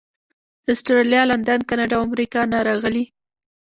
د اسټرالیا، لندن، کاناډا او امریکې نه راغلي.